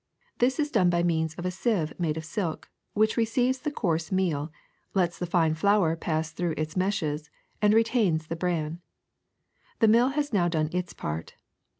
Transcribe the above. This is done by means of a sieve made of silk, which receives the coarse meal, lets the fine flour pass through its meshes, and retains the bran. The mill has now done its part.